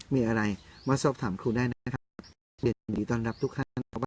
มีอะไรมาสอบถามครูได้นะครับเรียนดีต้อนรับทุกคน